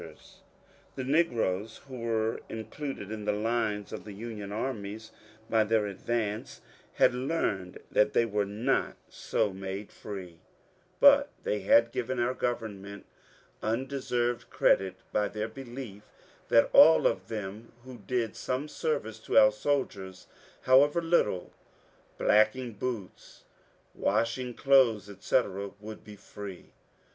TAKING SLAVES TO OHIO 357 The negroes who were included in the lines of the Union armies by their advance had learned that they were not so made free ; but they had given our government undeserved credit by their belief that all of them who did some service to our soldiers, however little, — blacking boots, washing clothes, etc., — would be free.